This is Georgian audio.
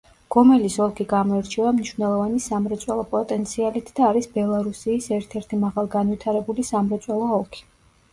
გომელის ოლქი გამოირჩევა მნიშვნელოვანი სამრეწველო პოტენციალით და არის ბელარუსიის ერთ-ერთი მაღალგანვითარებული სამრეწველო ოლქი.